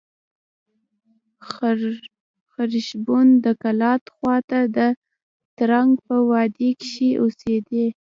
خرښبون د کلات خوا ته د ترنک په وادي کښي اوسېدئ.